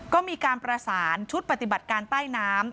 ก็มีการประสานชุดปฏิบัติการใต้น้ำ